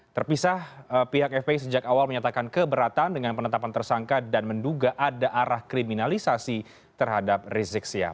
terpisah pihak fpi sejak awal menyatakan keberatan dengan penetapan tersangka dan menduga ada arah kriminalisasi terhadap rizik sihab